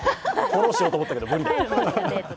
フォローしようと思ったけど無理だ。